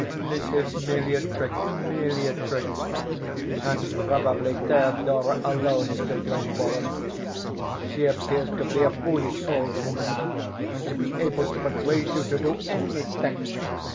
This is merely a trick, merely a trick. And probably Thedora alone is to blame for it. She appears to be a foolish old woman, and to be able to persuade you to do anything.